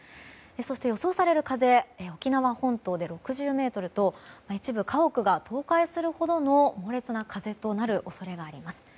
そして予想される風沖縄本島で６０メートルと一部、家屋が倒壊するほどの猛烈な風となる恐れがあります。